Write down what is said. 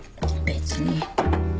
別に。